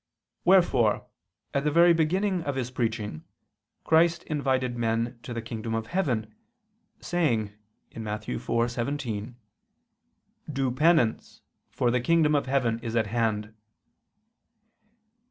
Wherefore, at the very beginning of His preaching, Christ invited men to the kingdom of heaven, saying (Matt. 4:17): "Do penance, for the kingdom of heaven is at hand."